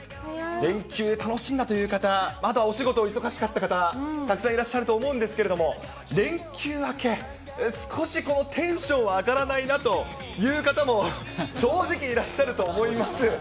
連休楽しんだという方、まだお仕事忙しかった方、たくさんいらっしゃると思うんですけれども、連休明け、少しテンション上がらないなという方も、正直、いらっしゃると思います。